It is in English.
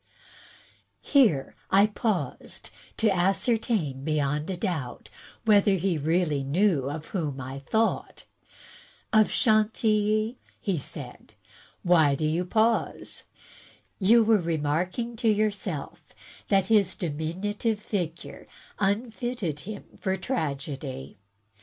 Here I paused, to ascertain beyond a doubt whether he really knew of whom I thought. — "of Chantilly," said he, "why do you pause? You were re marking to yourself that his diminutive figure unfitted him for tragedy."